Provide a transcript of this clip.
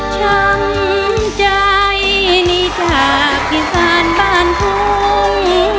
ช้ำใจหนี้จากคิดฟ้านบ่านฟุ่ม